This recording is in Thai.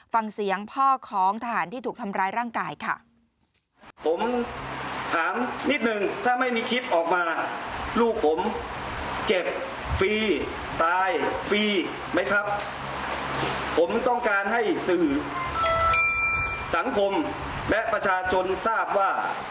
ฟังเสียงพ่อของทหารที่ถูกทำร้ายร่างกายค่ะ